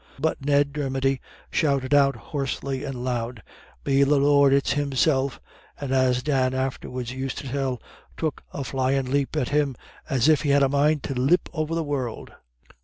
But Ned Dermody shouted out hoarsely and loud: "Be the Lord it's himself," and, as Dan afterwards used to tell, "took a flyin' lep at him, as if he'd a mind to ha' lep over the world."